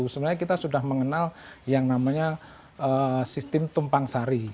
sebenarnya kita sudah mengenal yang namanya sistem tumpang sari